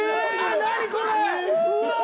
何これ。